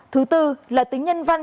thứ tư là tính nhân văn